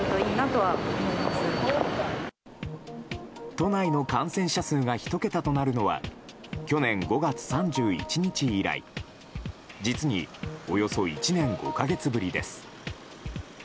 都内の感染者数が１桁となるのは去年５月３１日以来実におよそ１年５か月ぶりです。